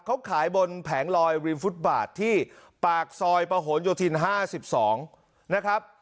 เขาขายบนแผงลอยริมฟุตบาทที่ปากซอยประหลโยธิน๕๒นะครับ